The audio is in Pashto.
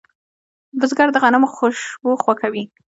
بزګر د غنمو خوشبو خوښوي